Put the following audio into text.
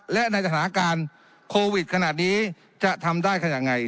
และในสถานการณ์โควิดขนาดนี้จะทำได้กันยังไง